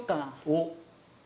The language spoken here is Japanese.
おっ！